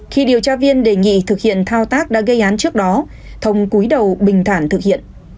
khi điều tra viên đề nghị thực hiện thao tác đã gây án trước đó thông cuối đầu bình thản thực hiện